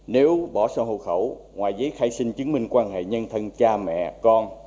nếu bỏ sổ hộ khẩu ngoài giấy khai sinh chứng minh quan hệ nhân thân cha mẹ con